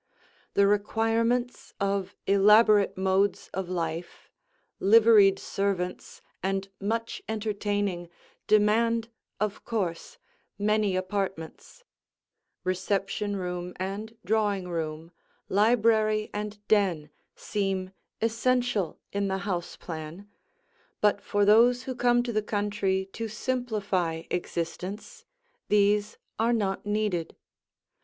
The requirements of elaborate modes of life, liveried servants and much entertaining, demand, of course, many apartments; reception room and drawing room, library and den seem essential in the house plan, but for those who come to the country to simplify existence, these are not needed.